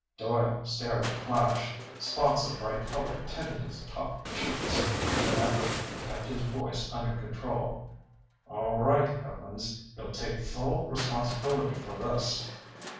Doyle stared at Flash. Spots of bright color tinted his taut cheeks. With an effort he kept his voice under control. "All right, Evans, you'll take full responsibility for this!"